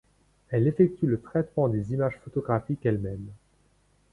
Elle effectue le traitement des images photographiques elle-même.